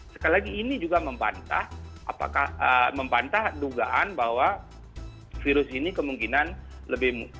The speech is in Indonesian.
sekali lagi ini juga membantah dugaan bahwa virus ini kemungkinan lebih mudah menular